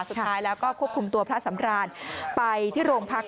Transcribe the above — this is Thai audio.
สุดท้ายแล้วก็ควบคุมตัวพระสำรานไปที่โรงพัก